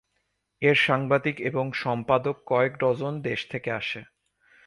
এর সাংবাদিক এবং সম্পাদক কয়েক ডজন দেশ থেকে আসে।